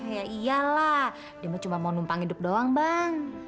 ya iyalah dia mah cuma mau numpang hidup doang bang